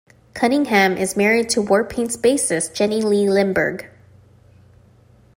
Cunningham is married to Warpaint's bassist Jenny Lee Lindberg.